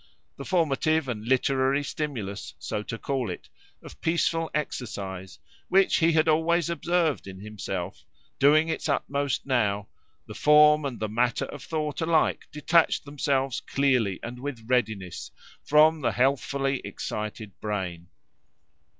The formative and literary stimulus, so to call it, of peaceful exercise which he had always observed in himself, doing its utmost now, the form and the matter of thought alike detached themselves clearly and with readiness from the healthfully excited brain.